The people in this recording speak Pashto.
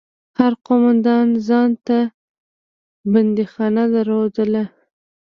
هر قومندان ځان ته بنديخانه درلوده.